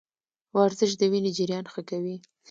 ورزش د وینې جریان ښه کوي.